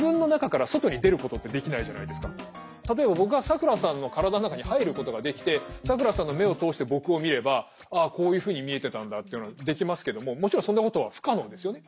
僕らは例えば僕が咲楽さんの体の中に入ることができて咲楽さんの目を通して僕を見ればああこういうふうに見えてたんだっていうのはできますけどももちろんそんなことは不可能ですよね。